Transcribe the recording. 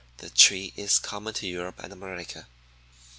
The tree is common to Europe and America.